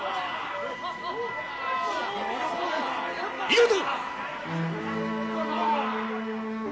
見事！